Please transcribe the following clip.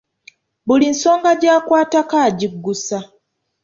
Buli nsonga gy’akwatako agiggusa.